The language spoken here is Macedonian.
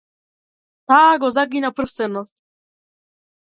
Таа го загина прстенот.